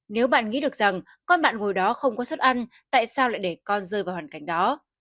nếu bạn nghĩ được rằng con bạn hồi đó không có suất ăn tại sao lại để con rơi vào hoàn cảnh đó